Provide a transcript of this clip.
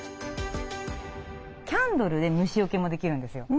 キャンドルで虫よけもできるんですよ。